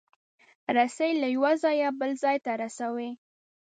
رسۍ له یو ځایه بل ځای ته رسوي.